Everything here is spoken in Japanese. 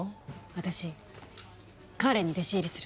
私彼に弟子入りする！